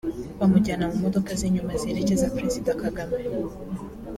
bamujyana mu modoka z’inyuma ziherekeza perezida Kagame